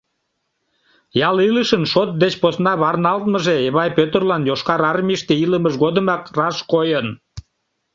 Ял илышын шот деч посна варналтмыже Эвай Пӧтырлан Йошкар Армийыште илымыж годымак раш койын.